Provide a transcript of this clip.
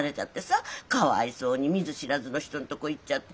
かわいそうに見ず知らずの人のとこ行っちゃって。